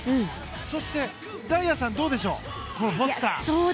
そして、大也さん、どうでしょうこのフォスター。